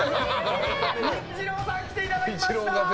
ニッチローさん来ていただきました。